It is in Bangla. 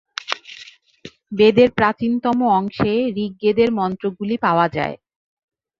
বেদের প্রাচীনতম অংশে ঋগ্বেদের মন্ত্রগুলি পাওয়া যায়।